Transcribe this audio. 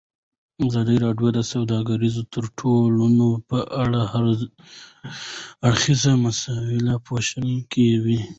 ازادي راډیو د سوداګریز تړونونه په اړه د هر اړخیزو مسایلو پوښښ کړی.